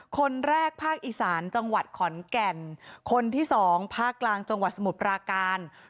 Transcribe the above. คนแรกภาคอีสานจังหวัดขอนแก่นคนที่สองภาคกลางจังหวัดสมุทรปราการ